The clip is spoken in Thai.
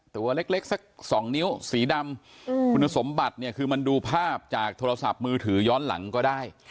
ตัวเล็กสัก๒นิ้วสีดำคุณสมบัติเนี่ยคือมันดูภาพจากโทรศัพท์มือถือย้อนหลังก็ได้